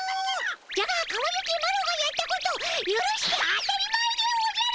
じゃがかわゆきマロがやったことゆるして当たり前でおじゃる！